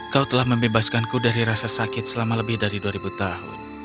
kau telah membebaskanku dari rasa sakit selama lebih dari dua tahun